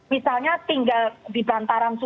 misalnya tinggal di bantaran sungai